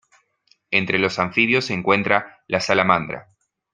Entre los anfibios se encuentra la salamandra.